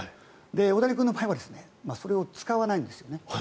大谷君の場合はそれを使わないんですよね。